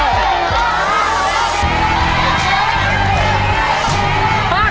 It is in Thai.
ต้องแบบ๑๐